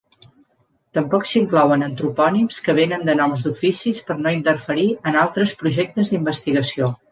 Tampoc s'inclouen antropònims que vénen de noms d'oficis per no interferir en altres projectes d'investigació.